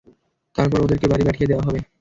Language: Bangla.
তারপর ওদেরকে বাড়ি পাঠিয়ে দেয়া হবে।